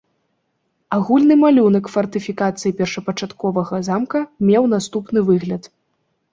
Агульны малюнак фартыфікацыі першапачатковага замка меў наступны выгляд.